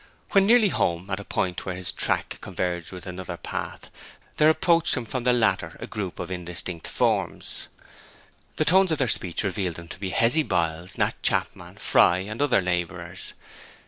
When nearly home, at a point where his track converged on another path, there approached him from the latter a group of indistinct forms. The tones of their speech revealed them to be Hezzy Biles, Nat Chapman, Fry, and other labourers.